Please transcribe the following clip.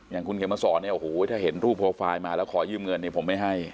อย่างคุณเขมสอนเนี่ยโอ้โหถ้าเห็นรูปโปรไฟล์มาแล้วขอยืมเงินเนี่ยผมไม่ให้